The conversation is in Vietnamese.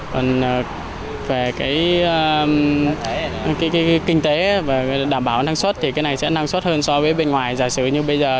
còn về cái kinh tế và đảm bảo năng suất thì cái này sẽ năng suất hơn so với bên ngoài giả sử như bây giờ